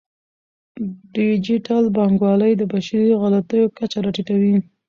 ډیجیټل بانکوالي د بشري غلطیو کچه راټیټوي.